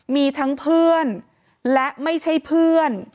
มีทั้งเพื่อนและไม่ใช่เพื่อน